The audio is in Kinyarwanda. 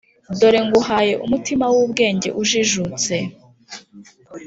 Dore nguhaye umutima w’ubwenge ujijutse